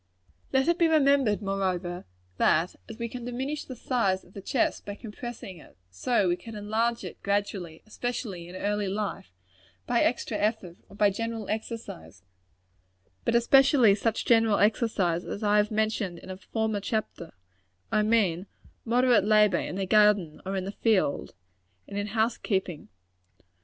Let it be remembered, moreover, that as we can diminish the size of the chest by compressing it, so we can enlarge it, gradually especially in early life by extra effort; or by general exercise; but especially such general exercise as I have mentioned in a former chapter I mean, moderate labor in the garden or in the field, and in house keeping.